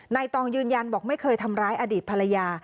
ตองยืนยันบอกไม่เคยทำร้ายอดีตภรรยา